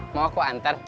mau aku antar